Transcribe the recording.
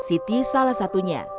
ini salah satunya